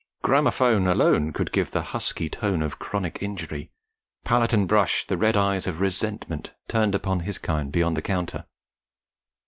Gramophone alone could give the husky tone of chronic injury, palette and brush the red eyes of resentment turned upon his kind beyond the counter.